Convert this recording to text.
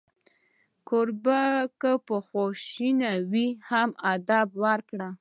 کوربه که په خواشینۍ وي، هم ادب کوي.